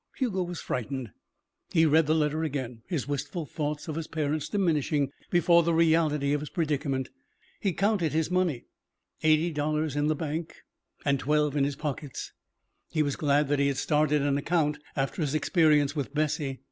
Hugo was frightened. He read the letter again, his wistful thoughts of his parents diminishing before the reality of his predicament. He counted his money. Eighty dollars in the bank and twelve in his pockets. He was glad he had started an account after his experience with Bessie.